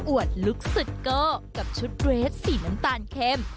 วดลุคสุดโก้กับชุดเรสสีน้ำตาลเข้ม